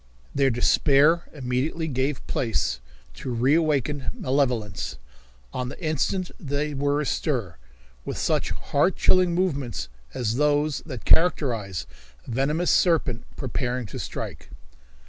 Their despair immediately gave place to reawakened malevolence. On the instant they were astir, with such heart chilling movements as those that characterize a venomous serpent preparing to strike.